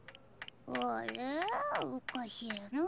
あれおかしいなぁ。